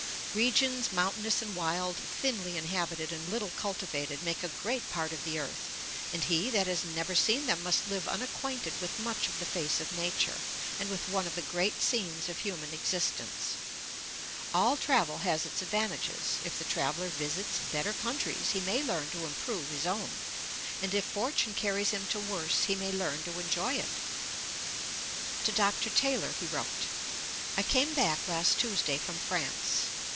Piozzi Letters, i. 266. 'Regions mountainous and wild, thinly inhabited and little cultivated, make a great part of the earth, and he that has never seen them must live unacquainted with much of the face of nature, and with one of the great scenes of human existence.' Johnson's Works, ix. 36. 'All travel has its advantages. If the traveller visits better countries he may learn to improve his own; and if fortune carries him to worse he may learn to enjoy it.' Ib. p. 136. To Dr. Taylor he wrote: 'I came back last Tuesday from France.